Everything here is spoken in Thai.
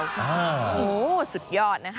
โหสุดยอดนะคะ